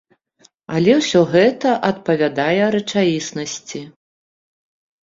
Але ўсё гэта адпавядае рэчаіснасці.